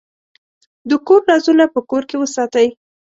د کور رازونه په کور کې وساتئ.